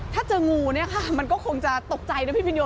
ถ้าเจองูเนี่ยค่ะมันก็คงจะตกใจนะพี่พินโย